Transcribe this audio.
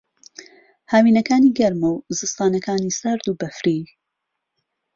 ھاوینەکانی گەرمە و زستانانەکانی سارد و بەفری